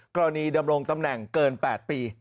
กรณีดำรงตำแหน่งเกิน๘ปี